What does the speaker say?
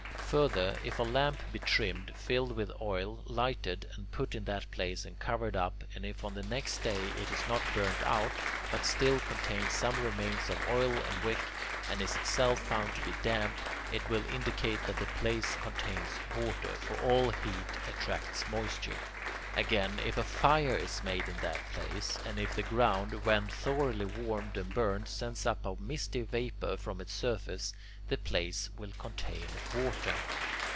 Further, if a lamp be trimmed, filled with oil, lighted, and put in that place and covered up, and if on the next day it is not burnt out, but still contains some remains of oil and wick, and is itself found to be damp, it will indicate that the place contains water; for all heat attracts moisture. Again, if a fire is made in that place, and if the ground, when thoroughly warmed and burned, sends up a misty vapour from its surface, the place will contain water.